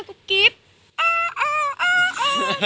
ก็กิ๊บอ่าอ่าอ่า